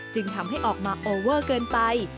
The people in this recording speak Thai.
จึงทำให้ออกมาเกินไป